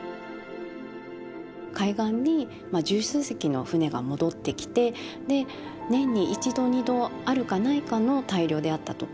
海岸に十数隻の船が戻ってきて年に一度二度あるかないかの大漁であったと。